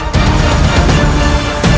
tidak ada apa apa